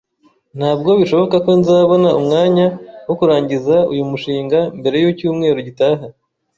Ntabwo bishoboka ko nzabona umwanya wo kurangiza uyu mushinga mbere yicyumweru gitaha.